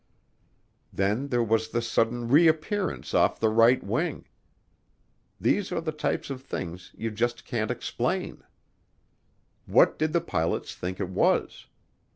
Then there was the sudden reappearance off the right wing. These are the types of things you just can't explain. What did the pilots think it was?